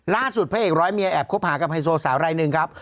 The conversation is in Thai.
พระเอกร้อยเมียแอบคบหากับไฮโซสาวรายหนึ่งครับ